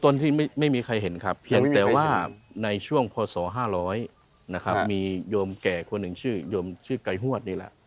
ต้นที่ไม่มีใครเห็นครับเพียงแต่ว่าในช่วงพศ๕๐๐นะครับมีโยมแก่คนหนึ่งชื่อโยมชื่อไก่ฮวดนี่แหละ